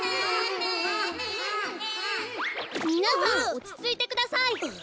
みなさんおちついてください。